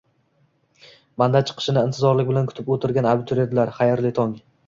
Mandat chiqishini intizorlik bilan kutib yurgan abituriyentlar, xayrli tong!